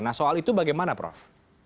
nah soal itu bagaimana prof